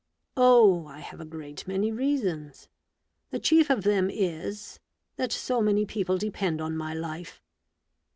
" Oh ! I have a great many reasons. The chief of them is, that so many people depend on my life.